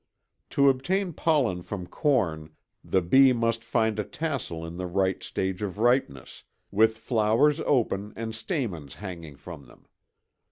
To obtain pollen from corn the bee must find a tassel in the right stage of ripeness, with flowers open and stamens hanging from them.